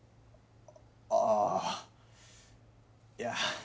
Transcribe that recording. あぁいや。